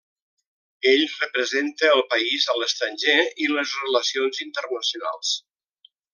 Ell representa el país a l'estranger i les relacions internacionals.